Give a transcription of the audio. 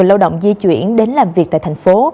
lao động di chuyển đến làm việc tại thành phố